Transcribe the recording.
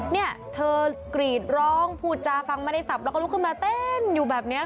เนี่ยเธอกรีดร้องพูดจาฟังไม่ได้สับแล้วก็ลุกขึ้นมาเต้นอยู่แบบนี้